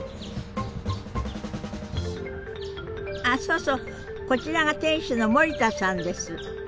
あそうそうこちらが店主の森田さんです。